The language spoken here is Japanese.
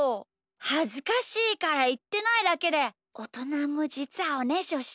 はずかしいからいってないだけでおとなもじつはおねしょしてるんだよ。